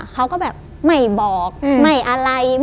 เขาก็แบบไม่บอกไม่อะไร